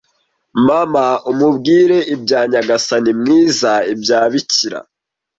mama umubwire ibya nyagasani mwiza ibya bikira